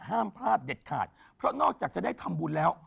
ห้ามพลาดเด็ดขาดเพราะนอกจากจะได้ทำบุญแล้ว